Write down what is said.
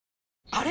あれ？